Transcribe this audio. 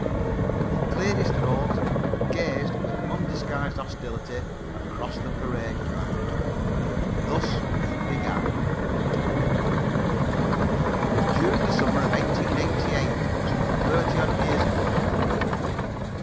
He cleared his throat and gazed with undisguised hostility across the parade ground. Thus he began: "It was during the summer of 1888, some thirty odd years ago," quoth he.